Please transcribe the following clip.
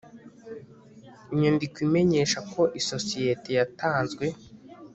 inyandiko imenyesha ko isosiyete yatanzwe